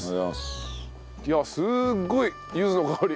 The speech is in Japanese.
いやすっごいゆずの香り。